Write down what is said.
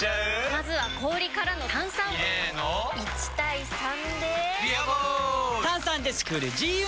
まずは氷からの炭酸！入れの１：３で「ビアボール」！